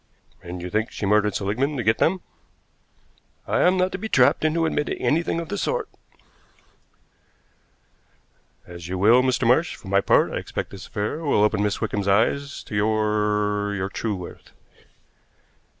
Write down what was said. "And you think she murdered Seligmann to get them?" "I am not to be trapped into admitting anything of the sort." "As you will, Mr. Marsh. For my part, I expect this affair will open Miss Wickham's eyes to your your true worth."